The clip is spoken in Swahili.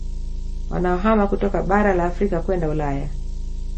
Wanaohama kutoka Bara la Afrika kwenda Ulaya